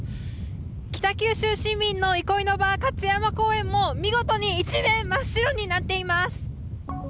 北九州市民の憩いの場、勝山公園も見事に一面真っ白になっています。